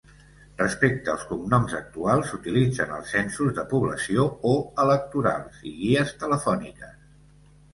Respecte als cognoms actuals s'utilitzen els censos de població o electorals i guies telefòniques.